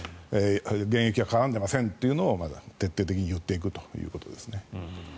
現役は絡んでませんということを徹底的に言っていくということですね。